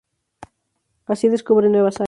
Así descubre nuevas áreas.